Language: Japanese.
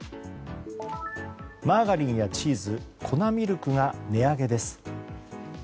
マーガリンやチーズ粉ミルクが値上げです。